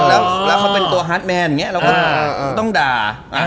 แล้วเขาเป็นตัวฮาร์ดแมนอย่างนี้เราก็ต้องด่า